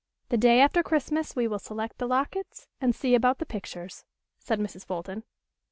"The day after Christmas we will select the lockets, and see about the pictures," said Mrs. Fulton.